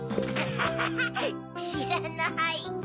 アハハハしらない。